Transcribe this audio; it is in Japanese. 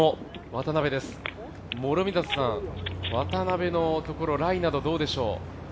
渡邉のところ、ライなどどうでしょう？